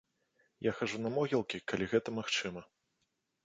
Я хаджу на могілкі, калі гэта магчыма.